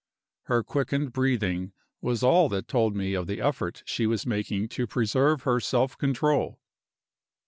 Her quickened breathing was all that told me of the effort she was making to preserve her self control.